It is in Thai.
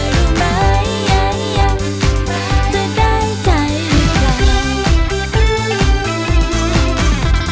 รู้ไหมจะได้ใจหรือเปล่า